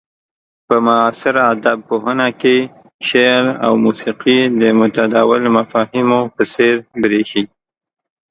په معاصر ادب پوهنه کې شعر او موسيقي د متداول مفاهيمو په څير بريښي.